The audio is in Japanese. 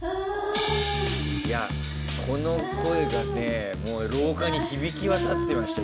いや、この声がねもう廊下に響き渡ってました。